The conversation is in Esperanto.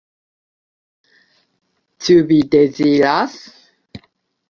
Ĉu vi deziras?